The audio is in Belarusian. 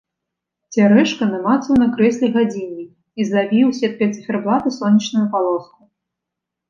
Цярэшка намацаў на крэсле гадзіннік і злавіў сеткай цыферблата сонечную палоску.